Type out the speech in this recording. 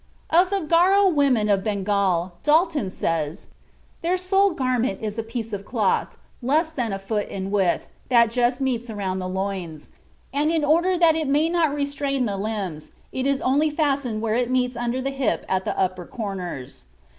(Journal of the Anthropological Institute, 1883, pp. 94 and 331.) Of the Garo women of Bengal Dalton says: "Their sole garment is a piece of cloth less than a foot in width that just meets around the loins, and in order that it may not restrain the limbs it is only fastened where it meets under the hip at the upper corners.